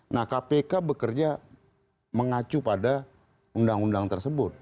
nah kpk bekerja mengacu pada undang undang tersebut